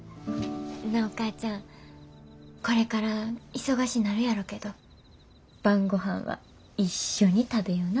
なあお母ちゃんこれから忙しなるやろけど晩ごはんは一緒に食べよな。